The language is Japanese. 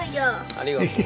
ありがとう。